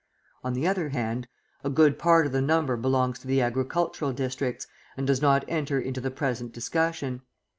On the other hand, a good part of the number belongs to the agricultural districts, and does not enter into the present discussion.